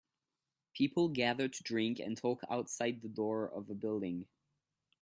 People gather to drink and talk outside the door of a building